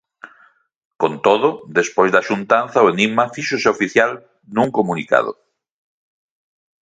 Con todo, despois da xuntanza o enigma fíxose oficial nun comunicado.